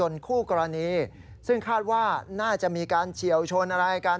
คู่กรณีซึ่งคาดว่าน่าจะมีการเฉียวชนอะไรกัน